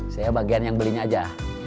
saya bagian yang belinya aja